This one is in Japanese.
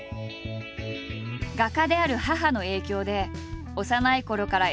画家である母の影響で幼いころから絵を描くのが大好き。